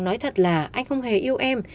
nói thật là anh không hề yêu em